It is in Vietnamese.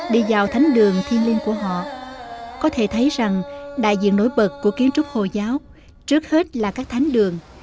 đi vào thánh đường thiên liên của họ có thể thấy rằng đại diện nổi bật của kiến trúc hồi giáo trước hết là các thánh đường